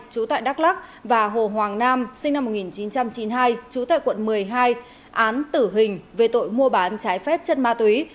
trú tại đắk lắc và hồ hoàng nam sinh năm một nghìn chín trăm chín mươi hai trú tại quận một mươi hai án tử hình về tội mua bán trái phép chất ma túy